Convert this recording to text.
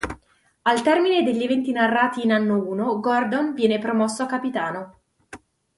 Al termine degli eventi narrati in Anno Uno, Gordon viene promosso a capitano.